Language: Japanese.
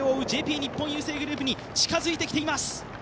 日本郵政グループに近づいてきています。